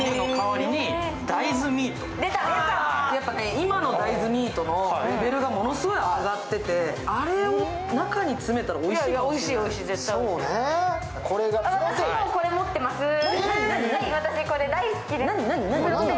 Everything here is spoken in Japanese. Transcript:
今の大豆ミートのレベルがものすごい上がってて、あれを中に詰めたらおいしいかもしれない。